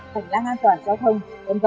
khảnh lãng an toàn giao thông v v